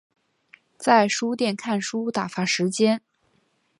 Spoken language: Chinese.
在书店看书打发时间